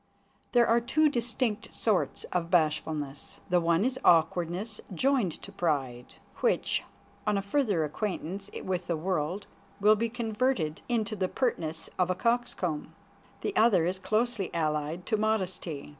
There are two distinct sorts of bashfulness. The one is awkwardness joined to pride, which, on a further acquaintance with the world, will be converted into the pertness of a coxcomb. The other is closely allied to modesty.